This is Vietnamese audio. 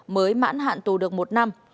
mới mãn hạn tù được một năm